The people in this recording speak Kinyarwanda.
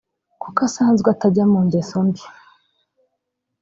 kuko asanzwe atajya mu ngeso mbi